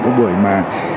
cái buổi mà